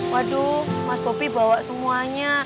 waduh mas bobi bawa semuanya